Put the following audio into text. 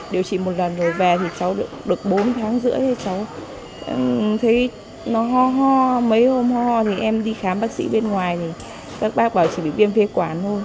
điều trị một lần rồi về thì cháu được bốn tháng rưỡi thì cháu thấy nó ho mấy hôm ho thì em đi khám bác sĩ bên ngoài thì các bác bảo chỉ bị viêm phế quản thôi